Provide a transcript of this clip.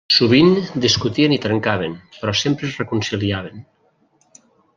Sovint discutien i trencaven, però sempre es reconciliaven.